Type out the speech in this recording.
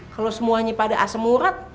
kalau semuanya pada asam urat